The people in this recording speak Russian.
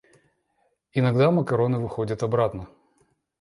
Иногда макароны выходят обратно.